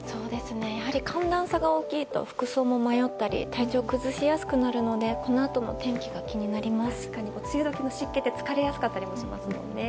やはり寒暖差が大きいと服装も迷ったり体調を崩しやすくなるので確かに、梅雨時の湿気って疲れやすかったりしますよね。